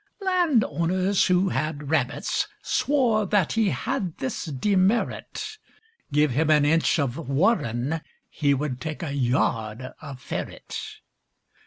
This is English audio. Land owners, who had rabbits, swore That he had this demerit Give him an inch of warren, he Would take a yard of ferret.